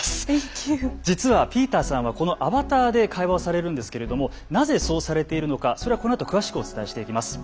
実はピーターさんはこのアバターで会話をされるんですけれどもなぜそうされているのかそれはこのあと詳しくお伝えしていきます。